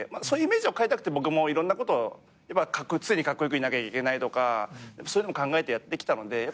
そういうイメージを変えたくて僕もいろんなこと常にカッコ良くいなきゃいけないとかそういうのも考えてやってきたので。